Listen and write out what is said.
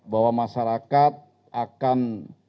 bahwa masyarakat akan